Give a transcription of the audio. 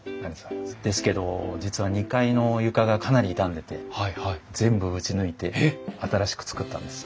ですけど実は２階の床がかなり傷んでて全部打ち抜いて新しく作ったんです。